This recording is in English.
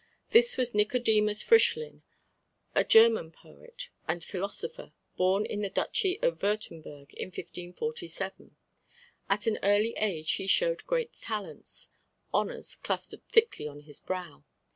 This was Nicodemus Frischlin, a German poet and philosopher, born in the duchy of Würtemberg in 1547. At an early age he showed great talents; honours clustered thickly on his brow.